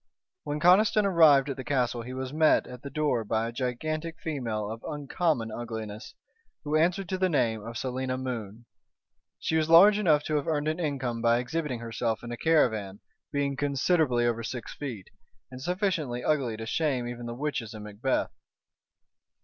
When Conniston arrived at the castle he was met at the door by a gigantic female of uncommon ugliness, who answered to the name of Selina Moon. She was large enough to have earned an income by exhibiting herself in a caravan, being considerably over six feet, and sufficiently ugly to shame even the witches in Macbeth.